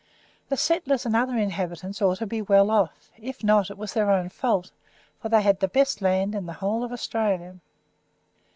The settlers and other inhabitants ought to be well off; if not, it was their own fault, for they had the best land in the whole of Australia.